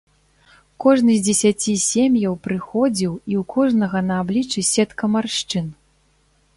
Кожны з дзесяці сем'яў прыходзіў, і ў кожнага на абліччы сетка маршчын.